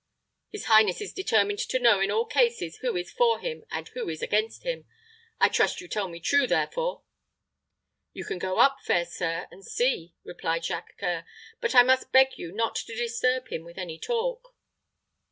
His highness is determined to know in all cases who is for him and who is against him. I trust you tell me true, therefore." "You can go up, fair sir, and see," replied Jacques C[oe]ur; "but I must beg you not to disturb him with any talk."